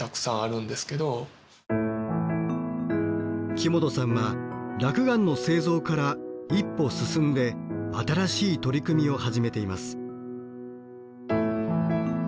木本さんは落雁の製造から一歩進んで新しい取り組みを始めています。